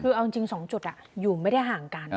คือเอาจริง๒จุดอยู่ไม่ได้ห่างกัน